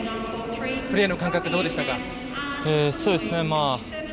プレーの感覚、どうでしたか？